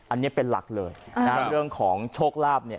อันนี้เป็นหลักเลยนะเรื่องของโชคลาภเนี่ย